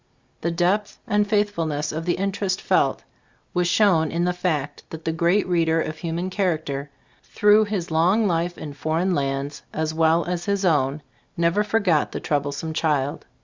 The depth and faithfulness of the interest felt, was shown in the fact that the great reader of human character, through his long life in foreign lands as well as his own, never forgot the troublesome child.